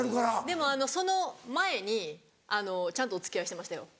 でもその前にちゃんとお付き合いしてましたよ。